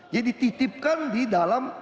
jadi dititipkan di dalam